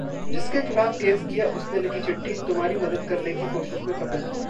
जिसके खिलाफ केस किया उसने लिखी चिट्ठी- तुम्हारी मदद करने की कोशिश में कपिल